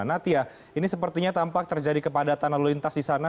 natia ini sepertinya tampak terjadi kepadatan lalu lintas di sana